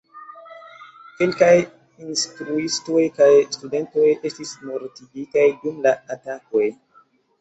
Kelkaj instruistoj kaj studentoj estis mortigitaj dum la atakoj.